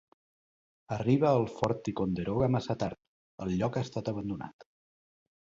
Arriba al Fort Ticonderoga massa tard; el lloc ha estat abandonat.